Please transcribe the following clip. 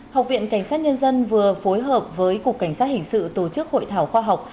học viện cảnh sát nhân dân vừa phối hợp với cục cảnh sát hình sự tổ chức hội thảo khoa học